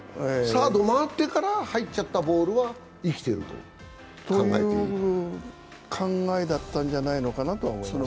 サード回ってから入っちゃったボールは生きていると？という考えだったんじゃないかなと思います。